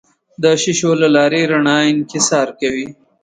د شیشو له لارې رڼا انکسار کوي.